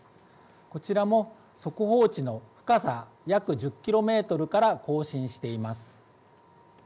こちらも速報値の深さ約１０キロメートルから更新しています。